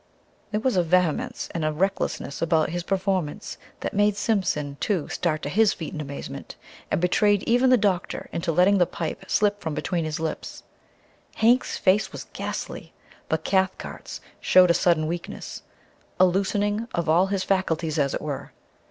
There was a vehemence and recklessness about his performance that made Simpson, too, start to his feet in amazement, and betrayed even the doctor into letting the pipe slip from between his lips. Hank's face was ghastly, but Cathcart's showed a sudden weakness a loosening of all his faculties, as it were.